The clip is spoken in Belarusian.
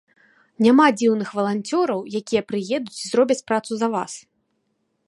Няма дзіўных валанцёраў, якія прыедуць і зробяць працу за вас.